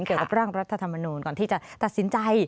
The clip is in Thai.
เกี่ยวกับร่างรัฐธรรมนูลก่อนที่จะตัดสินใจ